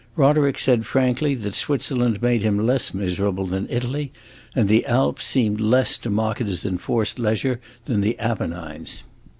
Roderick said frankly that Switzerland made him less miserable than Italy, and the Alps seemed less to mock at his enforced leisure than the Apennines.